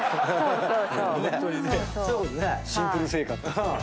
シンプル生活。